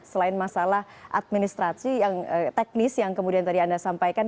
selain masalah administrasi teknis yang kemudian tadi anda sampaikan